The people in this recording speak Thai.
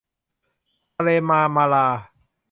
ทะเลมาร์มะรา